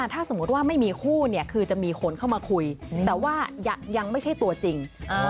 ถ้าสมมุติว่าไม่มีคู่เนี่ยคือจะมีคนเข้ามาคุยแต่ว่ายังไม่ใช่ตัวจริง